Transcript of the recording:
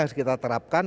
yang harus kita terapkan